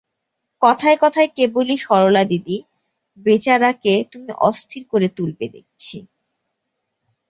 কথায় কথায় কেবলই সরলাদিদি, বেচারাকে তুমি অস্থির করে তুলবে দেখছি।